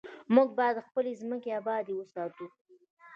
موږ باید خپلې ځمکې ابادې وساتو.